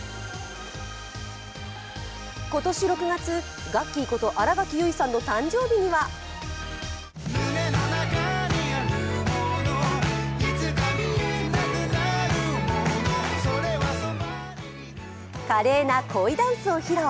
今年６月、ガッキーこと新垣結衣さんの誕生日には華麗な恋ダンスを披露。